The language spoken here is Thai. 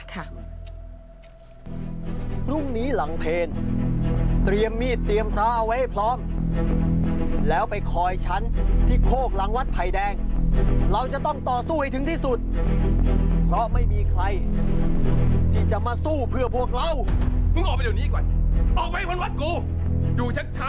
กูชักช้ามึงจะเจ็บตัวนะ